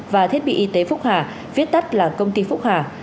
và thiết bị y tế phúc hà viết tắt là công ty phúc hà